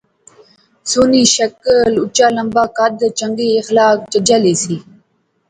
سوہنی شکل، اُچا لمبا قد، چنگے اخلاق، چجا لی سی